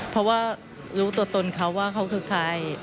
เพราะว่ารู้ตัวตนเขาว่าเขาคือใคร